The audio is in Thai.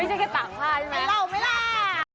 ไม่ใช่แค่ตากผ้าใช่ไหมเล่าไหมล่ะ